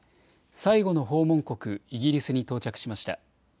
最後の訪問国、イギリスに到着しました。